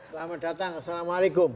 selamat datang assalamualaikum